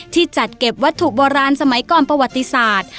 จัดเก็บวัตถุโบราณสมัยก่อนประวัติศาสตร์